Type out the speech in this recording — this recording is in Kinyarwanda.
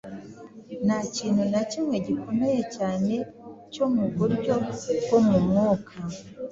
Nta kintu na kimwe gikomeye cyane cyo mu buryo bwo mu mwuka